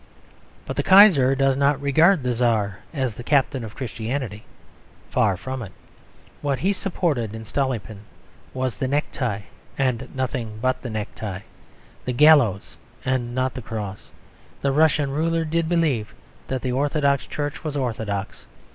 But the Kaiser does not regard the Czar as the captain of Christianity. Far from it. What he supported in Stolypin was the necktie and nothing but the necktie: the gallows and not the cross. The Russian ruler did believe that the Orthodox Church was orthodox.